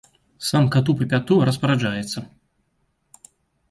Сам кату па пяту, а распараджаецца.